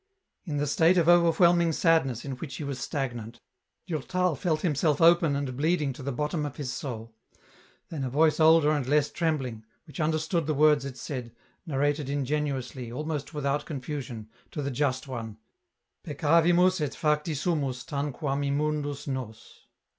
In the state of overwhelming sadness in which he was stagnant, Durtal felt himself open and bleeding to the bottom of his soul ; then a voice older and less trembling, which understood the words it said, narrated ingenuously, almost without confusion, to the Just One, " Peccavimus et facti sumus tanquam immundus nos."